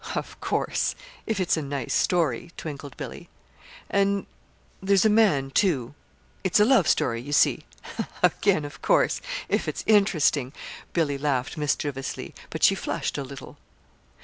"Of course if it's a nice story," twinkled Billy. "And there's a man, too. It's a love story, you see." "Again of course if it's interesting." Billy laughed mischievously, but she flushed a little.